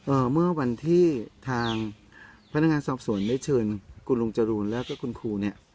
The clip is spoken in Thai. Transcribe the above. เมื่อวันที่ทางพนักงานสอบสวนได้เชิญคุณลุงจรูนแล้วก็คุณครูเนี่ย